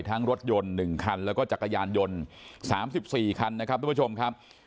รถยนต์๑คันแล้วก็จักรยานยนต์๓๔คันนะครับทุกผู้ชมครับ